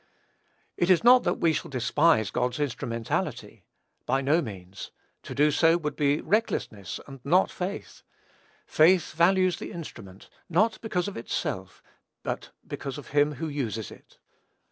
It is not that we shall despise God's instrumentality. By no means. To do so would be recklessness and not faith. Faith values the instrument, not because of itself, but because of him who uses it.